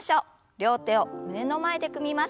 両手を胸の前で組みます。